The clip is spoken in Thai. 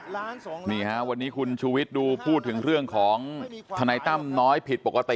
วันนี้คุณชุวิตดูพูดถึงเรื่องของทนายตั้มน้อยผิดปกตินะครับ